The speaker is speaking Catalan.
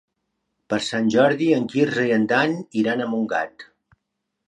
Per Sant Jordi en Quirze i en Dan iran a Montgat.